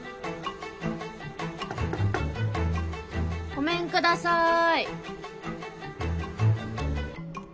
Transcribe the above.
ごめんください。